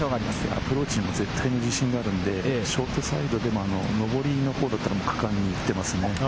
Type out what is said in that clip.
アプローチに絶対の自信があるので、ショートサイドでものぼりのホールは果敢に行ってますね。